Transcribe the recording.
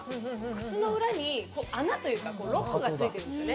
靴の裏に穴というかロックが付いてるんですよね。